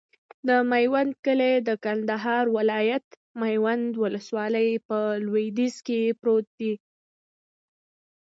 د میوند کلی د کندهار ولایت، میوند ولسوالي په لویدیځ کې پروت دی.